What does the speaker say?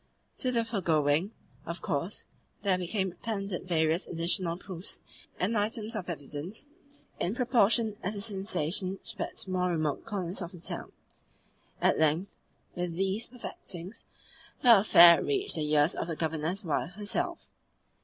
To the foregoing, of course, there became appended various additional proofs and items of evidence, in proportion as the sensation spread to more remote corners of the town. At length, with these perfectings, the affair reached the ears of the Governor's wife herself.